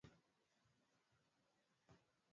maandishi ya taasisi yoyote yanatakiwa kuhaririwa vizuri